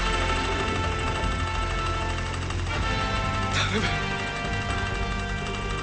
頼む